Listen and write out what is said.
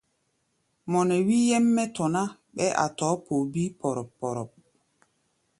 Mɔ nɛ wí nyɛ́m mɛ́ tɔ̧ ná, ɓɛɛ́ a̧ tɔ̧ɔ̧́ poo bíí póróp-póróp.